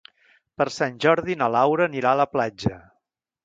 Per Sant Jordi na Laura anirà a la platja.